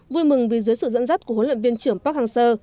vui mừng vì dưới sự dẫn dắt của huấn luyện viên trưởng park hang seo